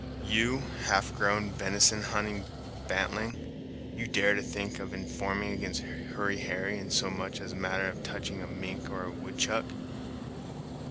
"You! half grown, venison hunting bantling! You dare to think of informing against Hurry Harry in so much as a matter touching a mink or a woodchuck!"